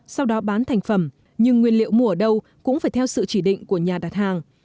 sau đó bán thành phẩm nhưng nguyên liệu mua ở đâu cũng phải theo sự chỉ định của nhà đặt hàng